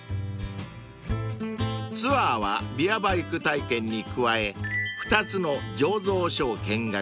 ［ツアーはビアバイク体験に加え２つの醸造所を見学］